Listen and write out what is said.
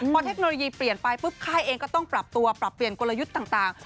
พอเทคโนโลยีเปลี่ยนไปปุ๊บค่ายเองก็ต้องปรับตัวปรับเปลี่ยนกลยุทธ์ต่าง